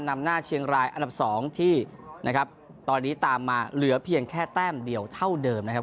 นำหน้าเชียงรายอันดับ๒ที่นะครับตอนนี้ตามมาเหลือเพียงแค่แต้มเดียวเท่าเดิมนะครับ